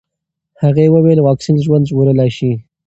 هغې وویل واکسین ژوند ژغورلی شي.